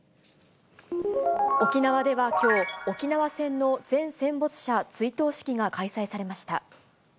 沖縄ではきょう、沖縄戦の全戦没者追悼式が開催されました。